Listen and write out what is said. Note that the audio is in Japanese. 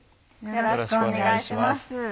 よろしくお願いします。